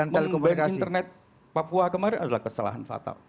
mem ban internet papua kemarin adalah kesalahan fatal